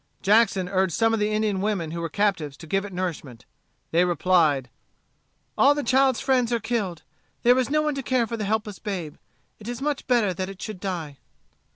Jackson urged some of the Indian women who were captives to give it nourishment. They replied: "All the child's friends are killed. There is no one to care for the helpless babe. It is much better that it should die."